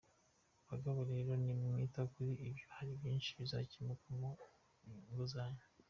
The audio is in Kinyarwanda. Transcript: Bagabo rero, nimwita kuri ibyo hari byinshi bizakemuka mu ngo zanyu.